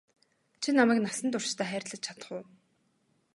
Чи намайг насан туршдаа хайрлаж чадах уу?